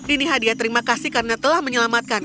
ini hadiah terima kasih karena telah menyelamatkan